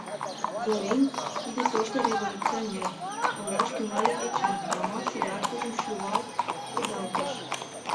— Зорин — тиде тошто революционер, — ойлаш тӱҥале Эчан, тамак сигаркыжым шӱвал кудалтыш.